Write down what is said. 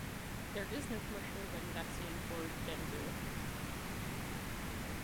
There is no commercially ready vaccine for dengue.